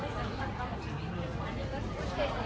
มันเป็นภาษาไทยก็ไม่ได้จัดการ